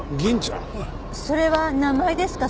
それは名前ですか？